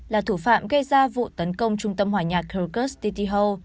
là thủ phạm gây ra vụ tấn công trung tâm hỏa nhạc kyrgyz tityhul